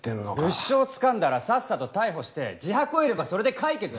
物証つかんだらさっさと逮捕して自白を得ればそれで解決です！